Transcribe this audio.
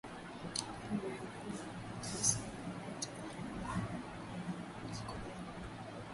Karne ya kumi na tisa ilileta utawala wa kikoloni